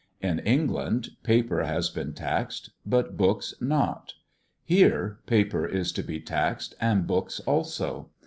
In England paper has been taxed, but books not ; here paper is to be taxed, and books too.